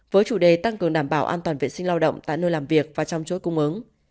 với chủ đề tăng cường đảm bảo an toàn vệ sinh lao động tại nơi làm việc và trong chuỗi cung ứng